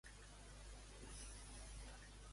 Consultar visites programades a La meva salut, com?